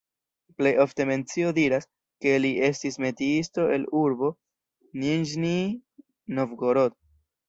Plej ofte mencio diras, ke li estis metiisto el urbo Niĵnij Novgorod.